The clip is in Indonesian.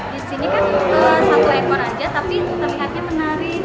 di sini kan satu ekor aja tapi terlihatnya menarik